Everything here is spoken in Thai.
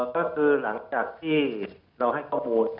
ก็คือหลังจากที่เราให้ข้อมูล